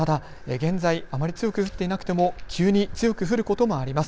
現在あまり強く降っていなくても、急に強く降ることもあります。